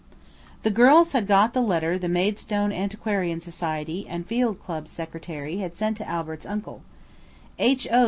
The girls had got the letter the Maidstone Antiquarian Society and Field Clubs Secretary had sent to Albert's uncle–H.O.